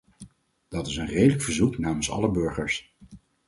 Dat is een redelijk verzoek namens alle burgers.